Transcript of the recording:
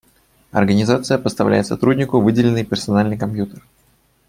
Организация поставляет сотруднику выделенный персональный компьютер